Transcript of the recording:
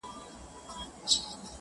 ډکي هدیرې به سي تشي بنګلې به سي.!